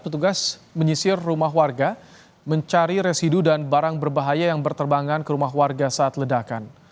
petugas menyisir rumah warga mencari residu dan barang berbahaya yang berterbangan ke rumah warga saat ledakan